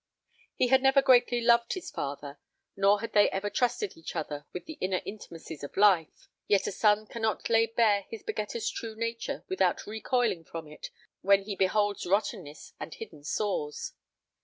He had never greatly loved his father, nor had they ever trusted each other with the inner intimacies of life, yet a son cannot lay bare his begetter's true nature without recoiling from it when he beholds rottenness and hidden sores.